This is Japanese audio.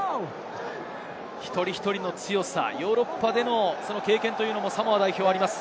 一人一人の強さ、ヨーロッパでの経験もサモア代表はあります。